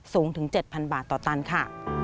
สูงถึง๗๐๐บาทต่อตันค่ะ